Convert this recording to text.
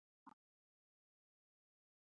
بدرنګه ذهنونه له دروغو جوړ دي